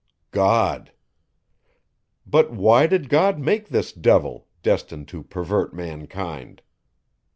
God. But, why did God make this devil, destined to pervert mankind?